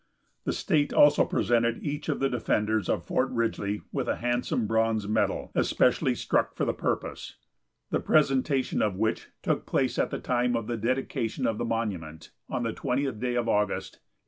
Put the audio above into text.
The state also presented each of the defenders of Fort Ridgely with a handsome bronze medal, especially struck for the purpose, the presentation of which took place at the time of the dedication of the monument, on the twentieth day of August, 1896.